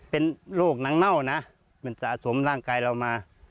เป็นโรคหนังเน่านะมันสะสมร่างกายเรามา